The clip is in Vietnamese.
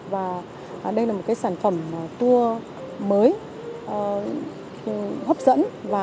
và đây là một cái sản phẩm tour mới hấp dẫn